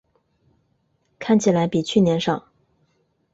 看起来比去年少